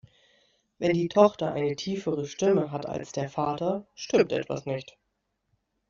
Wenn die Tochter eine tiefere Stimme hat als der Vater, stimmt etwas nicht.